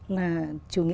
là chủ nghĩa